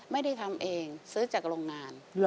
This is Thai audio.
ไม่ได้ทำเองซื้อจากโรงงาน